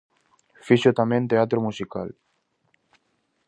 Fixo tamén teatro musical.